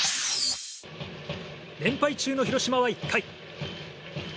連敗中の広島は１回。